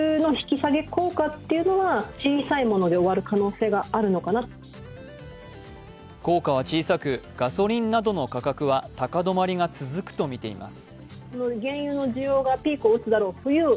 備蓄放出の効果について専門家は効果は小さく、ガソリンなどの価格は高止まりが続くとみています。